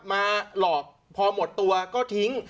มาหลอกพอหมดตัวก็ทิ้ง